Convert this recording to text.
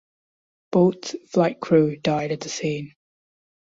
Both flight crew died at the scene.